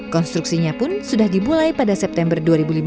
konstruksinya pun sudah dimulai pada september dua ribu lima belas